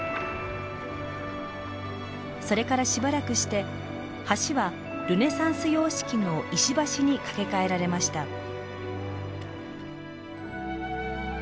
それからしばらくして橋はルネサンス様式の石橋に架け替えられました。